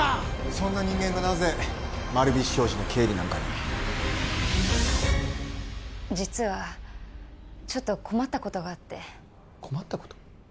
そんな人間がなぜ丸菱商事の経理なんかに実はちょっと困ったことがあって困ったこと？